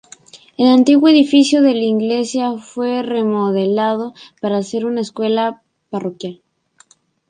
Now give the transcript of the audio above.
El antiguo edificio de la iglesia fue remodelado para ser una escuela parroquial.